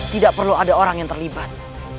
tidak perlu ada orang yang terlibat